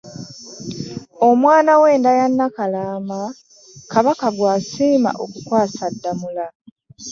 Omwana w'enda ya Nakalaama Kabaka gw'asiima okukwasa Ddamula.